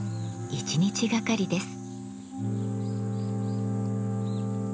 一日がかりです。